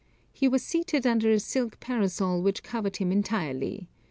"He was seated under a silk parasol which covered him entirely.